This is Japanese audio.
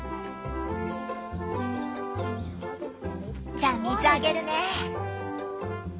じゃあ水あげるね！